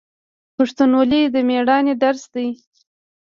پښتونولي د میړانې درس دی.